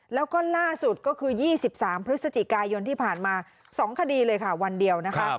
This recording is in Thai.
แล้วก็ล่าสุดก็คือ๒๓พฤศจิกายนที่ผ่านมา๒คดีเลยค่ะวันเดียวนะคะ